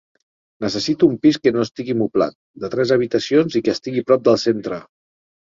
Necessito un pis que no estigui moblat, de tres habitacions i que estigui a prop del centre.